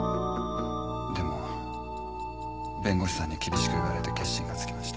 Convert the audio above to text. でも弁護士さんに厳しく言われて決心がつきました。